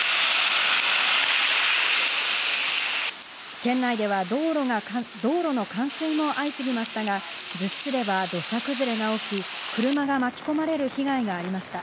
県内では道路の冠水も相次ぎましたが、逗子市では土砂崩れが起き、車が巻き込まれる被害がありました。